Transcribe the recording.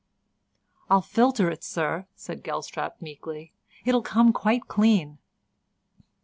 "I'll filter it, Sir," said Gelstrap meekly. "It'll come quite clean."